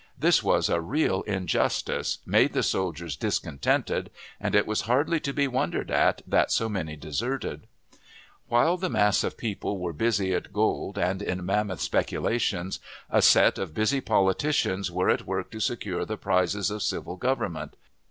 This was a real injustice, made the soldiers discontented, and it was hardly to be wondered at that so many deserted. While the mass of people were busy at gold and in mammoth speculations, a set of busy politicians were at work to secure the prizes of civil government.